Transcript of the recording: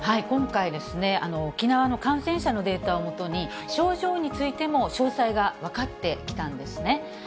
今回ですね、沖縄の感染者のデータをもとに、症状についても詳細が分かってきたんですね。